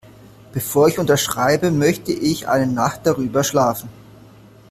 Bevor ich unterschreibe, möchte ich eine Nacht darüber schlafen.